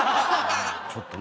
ちょっとね